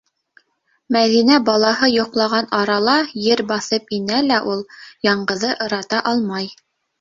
Мәҙинә балаһы йоҡлаған арала ер баҫып инә лә ул - яңғыҙы ырата алмай.